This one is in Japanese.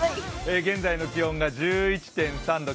現在の気温が１１．３度。